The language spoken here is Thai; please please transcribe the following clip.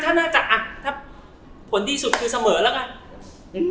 ถ้าน่าจะถ้าผลดีสุดคือเสมอแล้วกัน